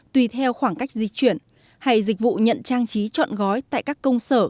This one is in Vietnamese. tùy theo khoảng cách di chuyển hay dịch vụ nhận trang trí trọn gói tại các công sở